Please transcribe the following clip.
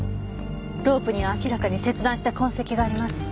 ロープには明らかに切断した痕跡があります。